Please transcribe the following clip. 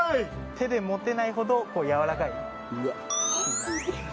手で持てないほどやわらかい。